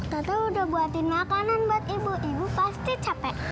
tentu udah buatin makanan buat ibu ibu pasti capek